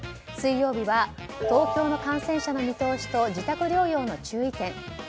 水曜日は東京の感染者の見通しと自宅療養の注意点。